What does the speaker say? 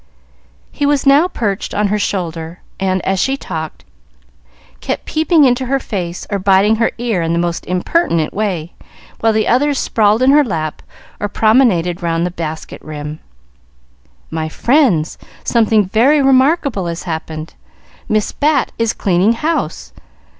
He was now perched on her shoulder, and, as she talked, kept peeping into her face or biting her ear in the most impertinent way, while the others sprawled in her lap or promenaded round the basket rim. "My friends, something very remarkable has happened: Miss Bat is cleaning house!"